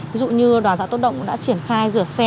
ví dụ như đoàn xã tốt động đã triển khai rửa xe